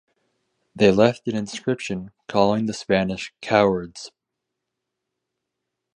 They left an inscription calling the Spanish cowards.